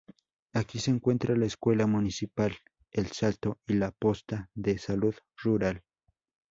Aquí se encuentra la escuela Municipal El Salto y la Posta de Salud Rural.